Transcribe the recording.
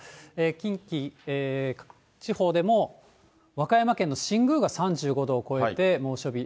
近畿地方でも和歌山県の新宮が３５度を超えて猛暑日。